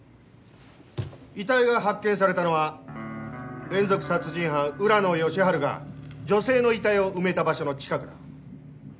遺体が発見されたのは連続殺人犯浦野善治が女性の遺体を埋めた場所の近くだ